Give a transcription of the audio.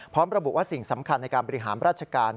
พร้อมระบุว่าสิ่งสำคัญในการบริหารราชการ